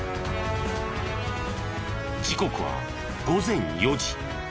時刻は午前４時。